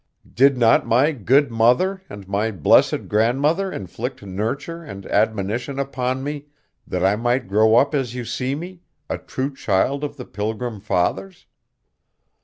Did not my good mother and my blessed, grandmother inflict nurture and admonition upon me, that I might grow up as you see me, a true child of the pilgrim fathers?